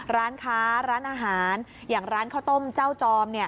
ร้านค้าร้านอาหารอย่างร้านข้าวต้มเจ้าจอม